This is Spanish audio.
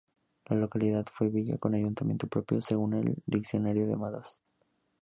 La localidad fue villa con ayuntamiento propio, según el Diccionario de Madoz.